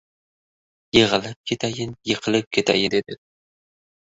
Yig‘ilib ketayin-yiqilib ketayin, dedi.